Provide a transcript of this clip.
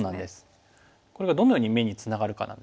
これがどのように眼につながるかなんですけども。